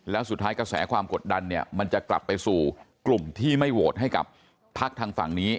แล้วสุดท้ายกระแสความกดดันเนี่ยมันจะกลับไปสู่กลุ่มที่ไม่โหวตให้กับพักทางฝั่งนี้